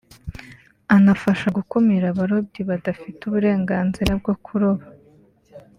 anafasha gukumira abarobyi badafite uburenganzira bwo kuroba